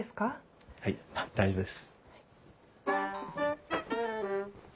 はい大丈夫です。